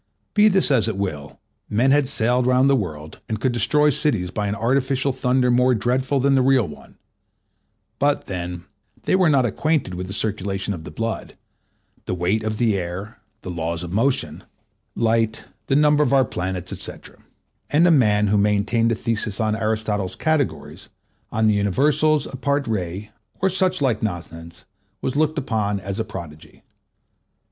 Be this as it will, men had sailed round the world, and could destroy cities by an artificial thunder more dreadful than the real one; but, then, they were not acquainted with the circulation of the blood, the weight of the air, the laws of motion, light, the number of our planets, &c. And a man who maintained a thesis on Aristotle's "Categories," on the universals a part rei, or such like nonsense, was looked upon as a prodigy.